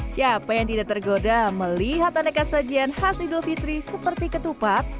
siapa yang tidak tergoda melihat aneka sajian khas idul fitri seperti ketupat